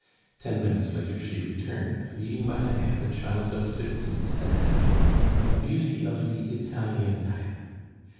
Ten minutes later she returned, leading by the hand a child of fifteen and a half, a beauty of the Italian type.